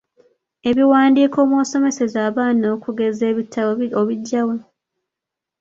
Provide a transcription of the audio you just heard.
Ebiwandiiko mw’osomeseza abaana okugeza ebitabo obijja wa?